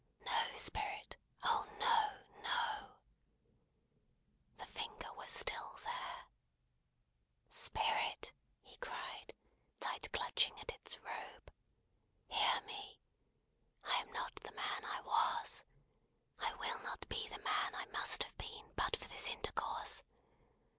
"No, Spirit! Oh no, no!" The finger still was there. "Spirit!" he cried, tight clutching at its robe, "hear me! I am not the man I was. I will not be the man I must have been but for this intercourse.